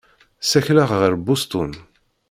Ssakleɣ ɣer Bustun.